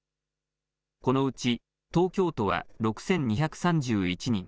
このうち東京都は６２３１人。